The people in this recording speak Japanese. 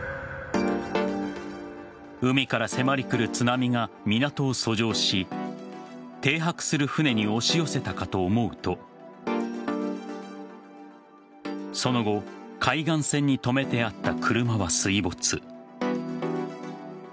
海から迫り来る津波が港を遡上し停泊する船に押し寄せたかと思うとその後海岸線に止めてあった車は水没。